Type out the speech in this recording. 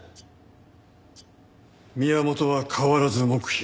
宮本は変わらず黙秘。